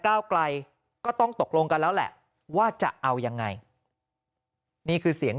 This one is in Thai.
ก้าวไกลก็ต้องตกลงกันแล้วแหละว่าจะเอายังไงนี่คือเสียง